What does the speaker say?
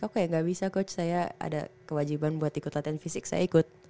oh kayak gak bisa coach saya ada kewajiban buat ikut latihan fisik saya ikut